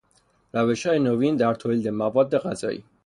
روشهای نوین در تولید مواد غذایی